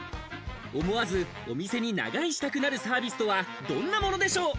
思わずお店に長居したくなるサービスとはどんなものでしょう？